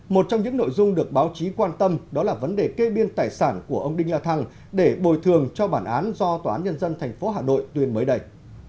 một trong những nội dung được báo chí quan tâm đó là vấn đề kê biên tài sản của ông đinh la thăng để bồi thường cho bản án do tòa án nhân dân tp hà nội tuyên mới đây